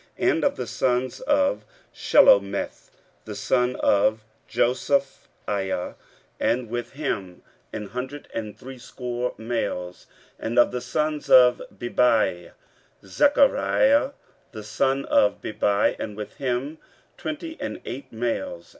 15:008:010 And of the sons of Shelomith; the son of Josiphiah, and with him an hundred and threescore males. 15:008:011 And of the sons of Bebai; Zechariah the son of Bebai, and with him twenty and eight males.